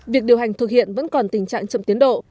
việc điều hành thực hiện vẫn còn tình trạng chậm tiến độ